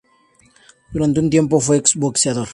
Durante un tiempo, fue boxeador.